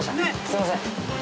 すみません